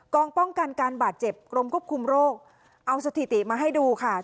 ป้องกันการบาดเจ็บกรมควบคุมโรคเอาสถิติมาให้ดูค่ะ